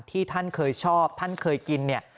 ที่ท่านเคยชอบท่านเคยกินเนี่ย